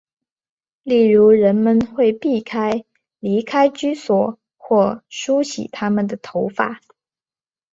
例如人们会避免离开居所或梳洗他们的头发。